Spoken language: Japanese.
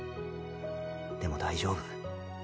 でも大丈夫。